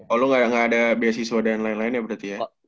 oh lu gak ada beasiswa dan lain lain ya berarti ya